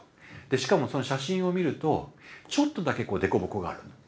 しかもその写真を見るとちょっとだけ凸凹がある。